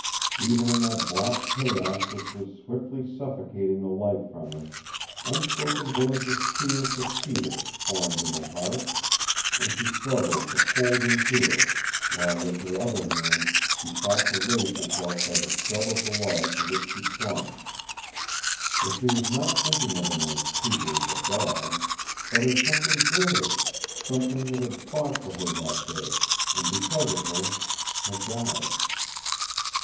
Even in that black chaos which was swiftly suffocating the life from her, unspoken words of cheer for Peter formed in her heart, and she struggled to hold him to her, while with her other hand she fought to raise herself by the stub of the log to which she clung. For she was not thinking of him as Peter, the dog, but as something greater something that had fought for her that day, and because of her had died.